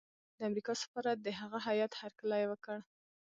د امریکا سفارت د هغه هیات هرکلی وکړ.